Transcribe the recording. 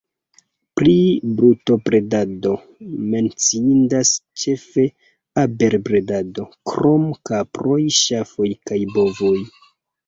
Pri brutobredado menciindas ĉefe abelbredado, krom kaproj, ŝafoj kaj bovoj.